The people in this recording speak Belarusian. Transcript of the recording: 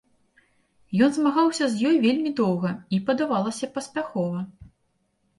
Ён змагаўся з ёй вельмі доўга і, падавалася, паспяхова.